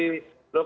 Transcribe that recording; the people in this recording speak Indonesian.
loh kok yang lain